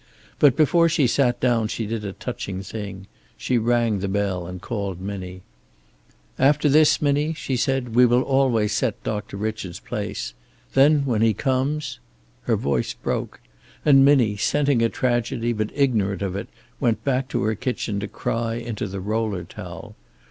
But before she sat down she did a touching thing. She rang the bell and called Minnie. "After this, Minnie," she said, "we will always set Doctor Richard's place. Then, when he comes " Her voice broke and Minnie, scenting a tragedy but ignorant of it, went back to her kitchen to cry into the roller towel.